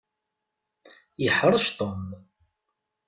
Yeḥṛec Tom.